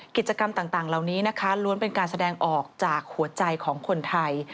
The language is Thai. กิจกรรมต่างเหล่านี้นะคะล้วนเป็นการแสดงออกจากหัวใจของคนไทย